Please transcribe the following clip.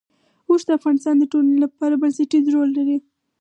اوښ د افغانستان د ټولنې لپاره بنسټيز رول لري.